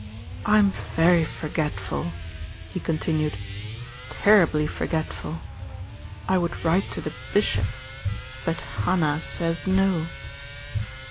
"I'm very forgetful," he con tinued, "terribly forgetful. I would write to the bishop ; but Hannah says no."